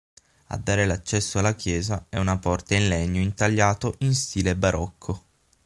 A dare l'accesso alla chiesa è una porta in legno intagliato in stile barocco.